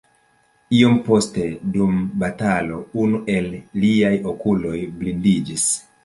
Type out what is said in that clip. Iom poste dum batalo unu el liaj okuloj blindiĝis.